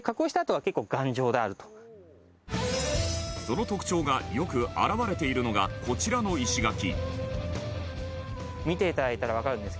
その特徴がよく現れているのがこちらの石垣